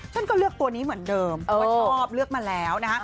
ฉันก็เลือกตัวนี้เหมือนเดิมเพราะว่าชอบเลือกมาแล้วนะฮะ